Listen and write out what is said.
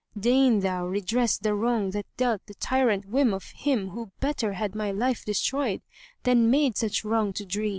Deign thou redress the wrong that dealt the tyrant whim of him * Who better had my life destroyed than made such wrong to dree.